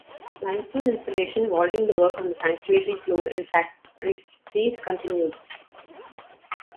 Limestone installation, vaulting, the work on the sanctuary floor and sacristies continued.